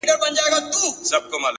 • شنه به له خندا سي وايي بله ورځ ,